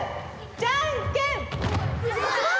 じゃんけんパー！